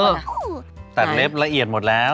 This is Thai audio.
ตัดเล็บละเอียดหมดแล้ว